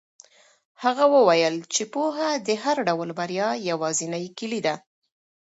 هغه وویل چې پوهه د هر ډول بریا یوازینۍ کیلي ده.